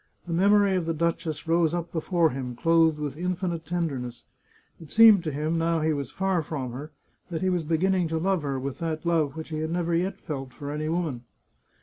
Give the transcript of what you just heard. The memory of the duchess rose up before him, clothed with infinite tenderness. It seemed to him, now he was far from her, that he was beginning to love her with that love which he had never yet felt for any woman.